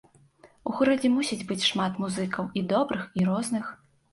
У горадзе мусіць быць шмат музыкаў, і добрых і розных.